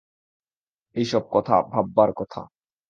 এই-সব কথা ভাববার কথা।